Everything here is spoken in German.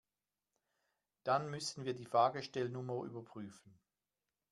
Dann müssen wir die Fahrgestellnummer überprüfen.